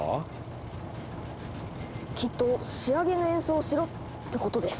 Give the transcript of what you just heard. きっと仕上げの演奏をしろってことです。